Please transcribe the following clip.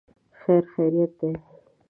خیر خیریت دی.